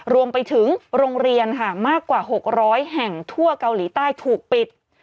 รวมไปถึงโรงเรียนค่ะมากกว่า๖๐๐แห่งทั่วเกาหลีใต้ถูกปิด